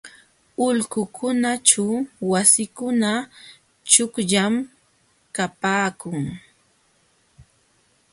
Ulqukunaćhu wasikuna chuqllam kapaakun.